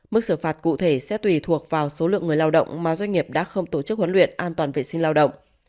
mức xử phạt cụ thể sẽ tùy thuộc vào số lượng người lao động mà doanh nghiệp đã không tổ chức huấn luyện an toàn vệ sinh lao động